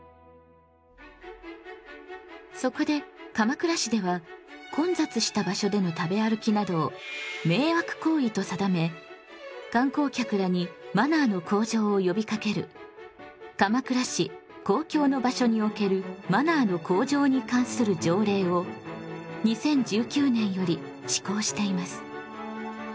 そこで鎌倉市では混雑した場所での食べ歩きなどを迷惑行為と定め観光客らにマナーの向上をよびかける「鎌倉市公共の場所におけるマナーの向上に関する条例」を２０１９年より施行しています。